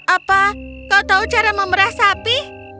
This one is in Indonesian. apa kau tahu cara memerah sapi